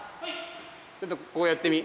ちょっとここをやってみ。